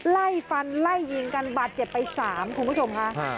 ไล่ฟันไล่ยิงกันบาดเจ็บไป๓คุณผู้ชมค่ะ